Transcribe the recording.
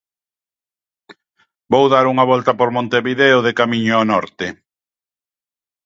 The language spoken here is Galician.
Vou dar unha volta por Montevideo de camiño ao norte.